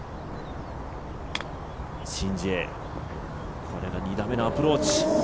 シン・ジエ、これが２打目のアプローチ。